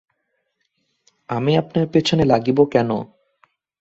আমি আপনার পেছনে লাগিব কেন?